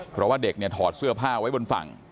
เพราะว่าเด็กเนี่ยถอดเสื้อผ้าไว้บนฝั่ง